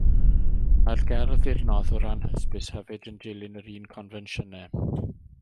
Y mae'r gerdd i'r noddwr anhysbys hefyd yn dilyn yr un confensiynau.